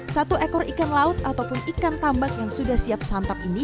satu ekor ikan laut ataupun ikan tambak yang sudah siap santap ini